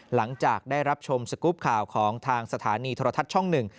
หลังจากได้รับชมสกรูปข่าวของทางสถานีโทรทัศน์ช่องหนึ่ง